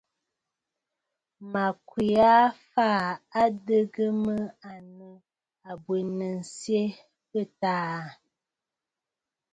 Mə̀ kwe aa fàa adɨgə mə à nɨ abwenənsyɛ bɨ̂taà aà.